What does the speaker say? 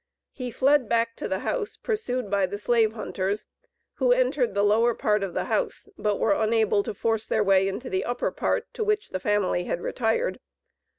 He fled back to the house, pursued by the slave hunters, who entered the lower part of the house, but were unable to force their way into the upper part, to which the family had retired.